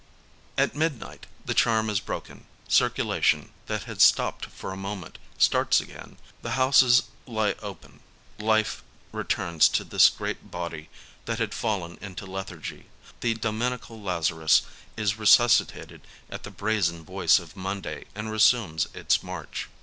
At midnight, the charm is broken : circulation, that had stopped for a moment, starts again, the houses ie« open, life returns to this great body that had fallen into lethargy, the dominical Lazarus is resuscitated at the brazen voice of Monday and resumes its march.